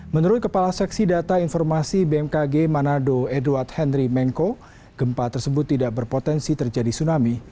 menurut kepala seksi data informasi bmkg manado edward henry mengko gempa tersebut tidak berpotensi terjadi tsunami